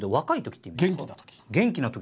元気な時。